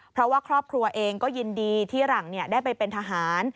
เพราะว่าครอบครัวเองก็ยินดีที่หลังได้ไปเป็นทหาร